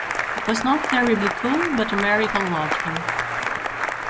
It was not terribly cool, but America loved him.